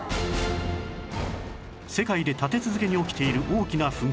世界で立て続けに起きている大きな噴火